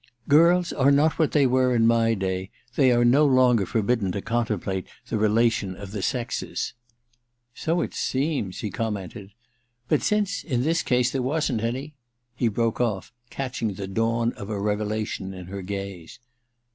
* Girls are not what they were in my day ; they are no longer forbidden to contemplate the relation of the sexes.* * So it seems !' he commented. ^ But since, in this case, there wasn't any ' He broke off, catching the dawn of a revelation in her gaze.